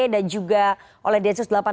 dan juga oleh densus delapan puluh delapan